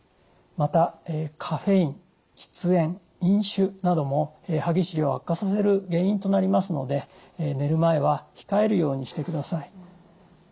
またカフェイン喫煙飲酒なども歯ぎしりを悪化させる原因となりますので寝る前は控えるようにしてください。